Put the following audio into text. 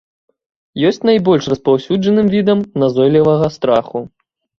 Ёсць найбольш распаўсюджаным відам назойлівага страху.